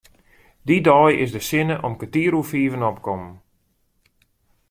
Dy dei is de sinne om kertier oer fiven opkommen.